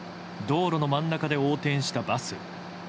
道路の真ん中で横転したバス。